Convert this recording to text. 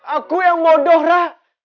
aku yang bodoh ra